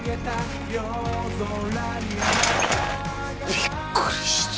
びっくりした。